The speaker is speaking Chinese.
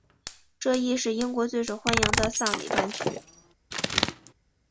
这亦是英国最受欢迎的丧礼挽曲。